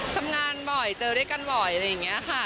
ทำงานบ่อยเจอด้วยกันบ่อยอะไรอย่างนี้ค่ะ